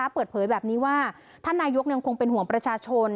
เปิดเผยแบบนี้ว่าท่านนายกยังคงเป็นห่วงประชาชน